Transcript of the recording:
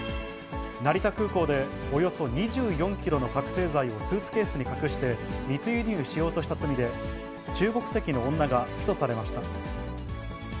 成田空港でおよそ２４キロの覚醒剤をスーツケースに隠して密輸入しようとした罪で、中国籍の女が起訴されました。